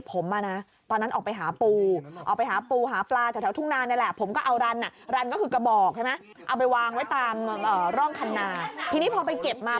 ผมมานะตอนนั้นหาปูหาปลาถ้าเรายังเท่าทุ่งนานได้นะ